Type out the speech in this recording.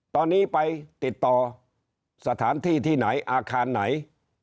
ตอนนี้ไปติดต่อสถานที่ที่ไหนอาคารไหน